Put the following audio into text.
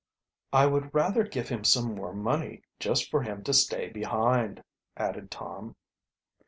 "I would rather give him some more money just for him to stay behind," added Tom.